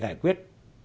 để giải quyết